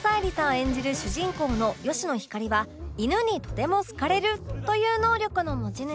演じる主人公の吉野ひかりは犬にとても好かれるという能力の持ち主